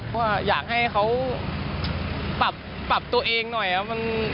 เพราะว่าอยากให้เขาปรับตัวเองหน่อยครับ